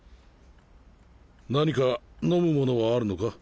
何か飲むものはあるのか？